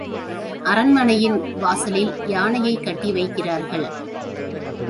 அரண்மனையின் வாசலில் யானையைக் கட்டி வைக்கி றார்கள்.